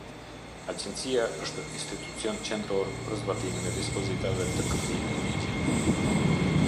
Agjencia është institucion qendror për zbatimin e dispozitave të këtij ligji.